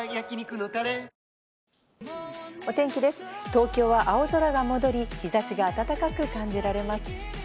東京は青空が戻り、日差しが暖かく感じられます。